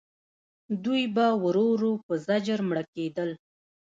دوی به ورو ورو په زجر مړه کېدل.